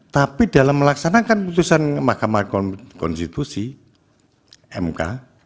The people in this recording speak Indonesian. tapi dalam melaksanakan putusan mahkamah konstitusi mk